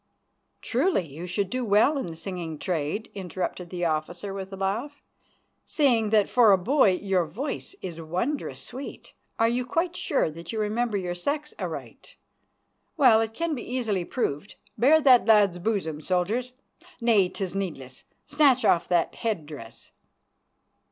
"Truly you should do well in the singing trade," interrupted the officer with a laugh, "seeing that for a boy your voice is wondrous sweet. Are you quite sure that you remember your sex aright? Well, it can easily be proved. Bare that lad's bosom, soldiers. Nay, 'tis needless; snatch off that head dress."